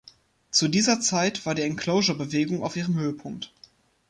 Zu dieser Zeit war die Enclosure-Bewegung auf ihrem Höhepunkt.